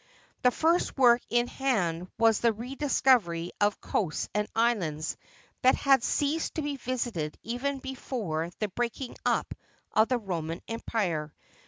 The first work in hand was the rediscovery of coasts and islands that had ceased to be visited even before the breaking up of the Roman Empire.